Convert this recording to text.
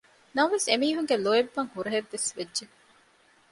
ނަމަވެސް އެމީހުންގެ ލޯތްބަށް ހުރަހެއްވެސް ވެއްޖެ